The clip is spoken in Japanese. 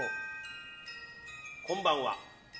こんばんは。